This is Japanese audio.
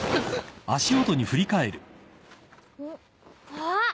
あっ！